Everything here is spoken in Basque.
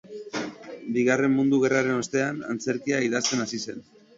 Bigarren Mundu Gerraren ostean, antzerkia idazten hasi zen.